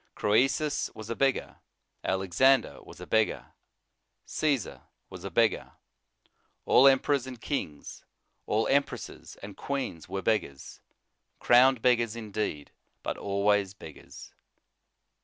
Croesus was a beggar, Alexander was a beggar, Caesar was a beggar, all em perors and kings, all empresses and queens were beggars ; crowned beggars indeed, but always beggars.